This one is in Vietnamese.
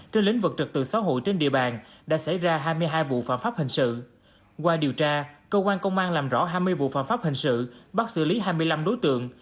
trên lĩnh vực trực tự xã hội trên địa bàn đã xảy ra hai mươi hai vụ phạm pháp hình sự qua điều tra cơ quan công an làm rõ hai mươi vụ phạm pháp hình sự bắt xử lý hai mươi năm đối tượng